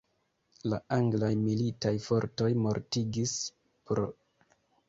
La anglaj militaj fortoj mortigis pr.